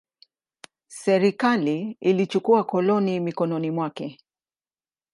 Serikali ilichukua koloni mikononi mwake.